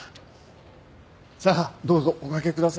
さあどうぞおかけください。